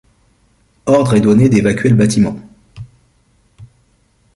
Ordre est donné d'évacuer le bâtiment.